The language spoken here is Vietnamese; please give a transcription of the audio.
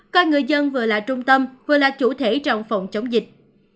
coi người dân vừa là trung tâm vừa là chủ thể trong phòng chống dịch